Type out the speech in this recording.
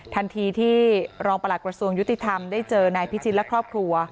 ทันทีที่รองประหลักกระทรวงยุติธรรมได้เจอนายพิชิตและครอบครัว